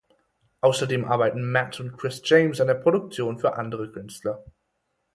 Außerdem arbeiten Matt und Chris James an der Produktion für andere Künstler.